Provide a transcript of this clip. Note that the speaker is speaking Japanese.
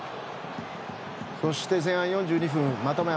そして、前半４２分またもや